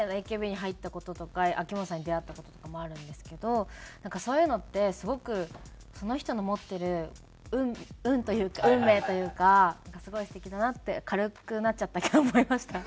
ＡＫＢに入った事とか秋元さんに出会った事とかもあるんですけどなんかそういうのってすごくその人の持ってる運というか運命というかなんかすごい素敵だなって軽くなっちゃったけど思いました。